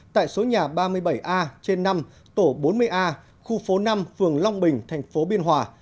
tại số nhà ba mươi bảy a trên năm tổ bốn mươi a khu phố năm phường long bình thành phố biên hòa